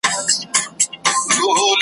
دی به خوښ ساتې تر ټولو چي مهم دی په جهان کي .